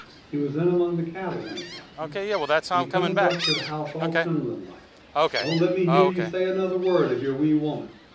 He was in among the cattle when it happened, and he comes up to the house all trembling like. " Don't let me hear you say another word of your Wee Woman.